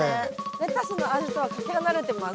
レタスの味とはかけ離れてます。